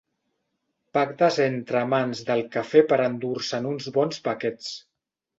Pactes entre amants del cafè per endur-se'n uns bons paquets.